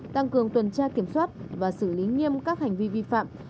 tăng cường tuần tra kiểm soát và xử lý nghiêm các hành vi vi phạm